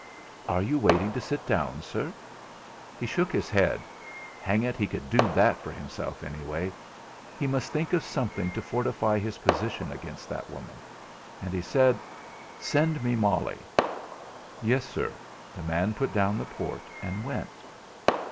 "Are you waiting to sit down, sir?" He shook his head. Hang it, he could do that for himself, anyway. He must think of something to fortify his position against that woman. And he said: "Send me Molly!" "Yes, sir." The man put down the port and went.